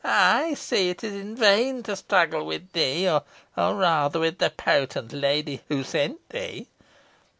"I see it is in vain to struggle with thee, or rather with the potent lady who sent thee.